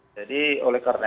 jadi oleh kata saya